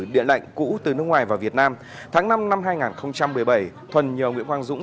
địa lệnh cũ từ nước ngoài vào việt nam tháng năm năm hai nghìn một mươi bảy thuần nhờ nguyễn quang dũng